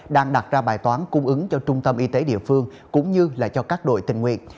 đang đặt ra bài toán cung ứng cho trung tâm y tế địa phương cũng như là cho các đội tình nguyện